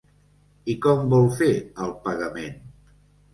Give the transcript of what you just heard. I com vol fer el pagament?